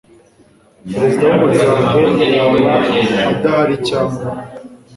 perezida w umuryango yaba adahari cyangwa